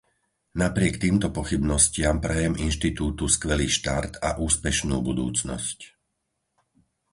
Napriek týmto pochybnostiam prajem inštitútu skvelý štart a úspešnú budúcnosť.